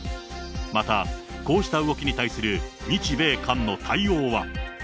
また、こうした動きに対する日米韓の対応は。